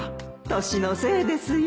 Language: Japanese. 年のせいですよ